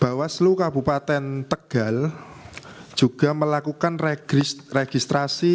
bahwa seluruh kabupaten tegal juga melakukan registrasi